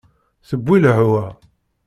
Tewwi lehwa.